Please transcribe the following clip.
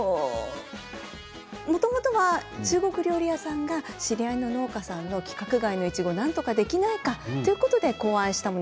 もともとは中国料理屋さんが知り合いの農家さんの規格外のいちごを、なんとかできないかということで考案したもの。